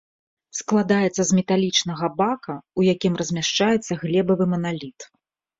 Складаецца з металічнага бака, у якім размяшчаецца глебавы маналіт.